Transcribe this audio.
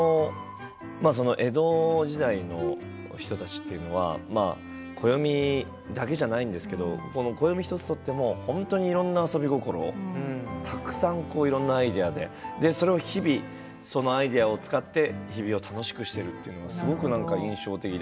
江戸時代の人たちというのは暦だけじゃないんですけど暦１つ取っても本当にいろんな遊び心たくさんいろんなアイデアでそれを日々、そのアイデアを使って日々を楽しくしているというのがすごく印象的で。